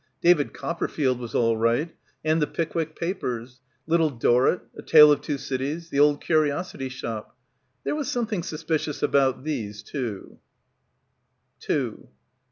"David Copperfield" was all right; and "The Pickwick Papers." "Little Dorritt"— "A Tale of Two Cities"— "The Old Curiosity Shop." There was something suspi cious about these, too.